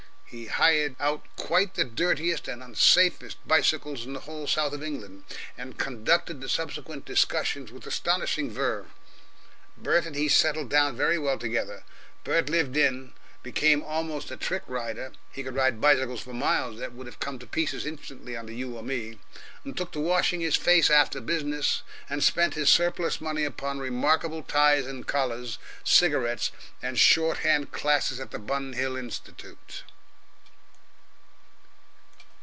He hired out quite the dirtiest and unsafest bicycles in the whole south of England, and conducted the subsequent discussions with astonishing verve. Bert and he settled down very well together. Bert lived in, became almost a trick rider he could ride bicycles for miles that would have come to pieces instantly under you or me took to washing his face after business, and spent his surplus money upon remarkable ties and collars, cigarettes, and shorthand classes at the Bun Hill Institute.